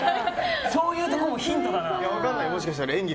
そういうところもヒントだな。